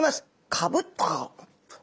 かぶっと。